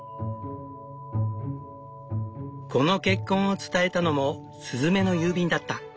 この結婚を伝えたのもスズメの郵便だった。